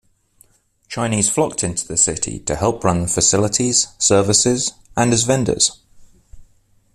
Chinese flocked into the city to help run facilities, services and as vendors.